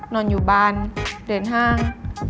นอนอยู่บ้านเดินห้าง